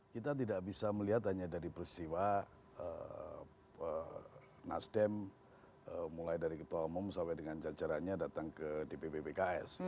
kita tidak bisa melihat hanya dari peristiwa nasdem mulai dari ketua umum sampai dengan jajarannya datang ke dpp pks